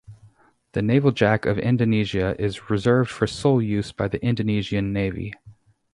The Naval Jack of Indonesia is reserved for sole use by the Indonesian Navy.